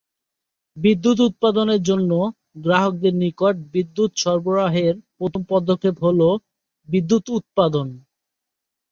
বিদ্যুৎ উৎপাদনের জন্য, গ্রাহকদের নিকট বিদ্যুৎ সরবরাহের প্রথম পদক্ষেপ হলোঃ বিদ্যুৎ উৎপাদন।